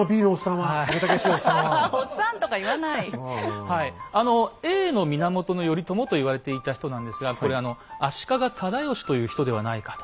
はいあのＡの源頼朝と言われていた人なんですがこれ足利直義という人ではないかと。